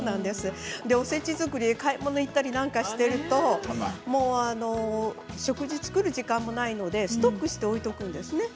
おせち作り、買い物なんかに行ったりしていると食事を作る時間もないのでストックして置いておくんですね。